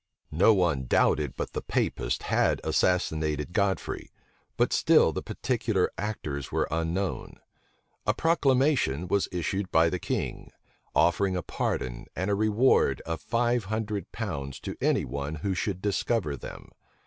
No one doubted but the Papists had assassinated Godfrey; but still the particular actors were unknown. A proclamation was issued by the king, offering a pardon and a reward of five hundred pounds to any one who should discover them.